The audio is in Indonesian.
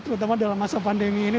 terutama dalam masa pandemi ini